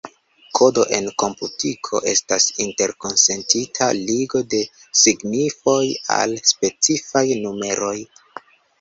Kodo en komputiko estas interkonsentita ligo de signifoj al specifaj numeroj.